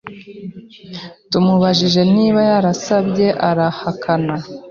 Tumubajije niba yarasabye arahakana